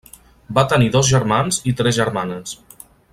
Va tenir dos germans i tres germanes.